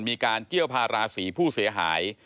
มีการเกี่ยวพาราศีผู้เสียหาย